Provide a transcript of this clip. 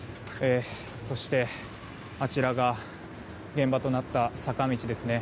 そして、あちらが現場となった坂道ですね。